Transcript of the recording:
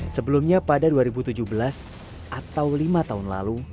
sebelumnya pada dua ribu tujuh belas atau lima tahun lalu